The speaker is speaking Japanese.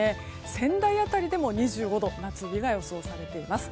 仙台辺りでも２５度と夏日が予想されています。